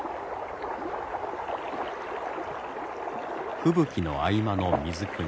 吹雪の合間の水くみ。